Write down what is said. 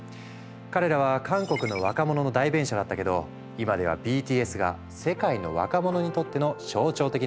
彼らは韓国の若者の代弁者だったけど今ではＢＴＳが世界の若者にとっての象徴的な存在になっている。